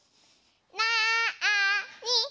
なに？